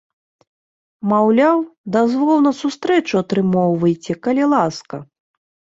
Маўляў, дазвол на сустрэчу атрымоўвайце, калі ласка.